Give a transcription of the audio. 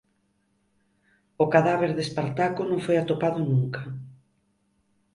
O cadáver de Espartaco non foi atopado nunca.